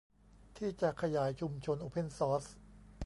ที่จะขยายชุมชนโอเพ่นซอร์ส